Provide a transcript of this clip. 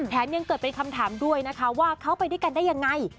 แถมยังเกิดอีกคำถามด้วยนะคะว่าเขาไปด้วยกันได้อย่างไร